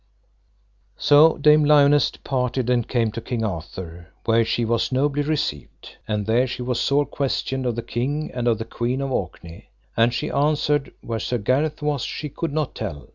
So Dame Lionesse departed and came to King Arthur, where she was nobly received, and there she was sore questioned of the king and of the Queen of Orkney. And she answered, where Sir Gareth was she could not tell.